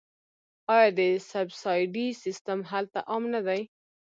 آیا د سبسایډي سیستم هلته عام نه دی؟